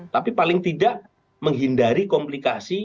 tapi paling tidak menghindari komplikasi